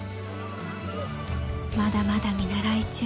［まだまだ見習い中］